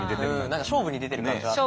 何か勝負に出てる感じはあったんで。